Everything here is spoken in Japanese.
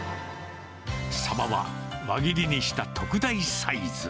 サバは輪切りにした特大サイズ。